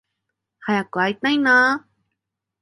早く会いたいな